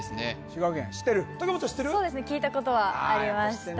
そうですね聞いたことはありました